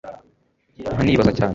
nkanibaza cyane